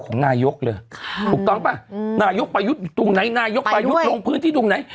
นายกยกไปยุทธ์ตรงไหนนายกยกไปยุทธ์ลงพื้นที่ตรงไหน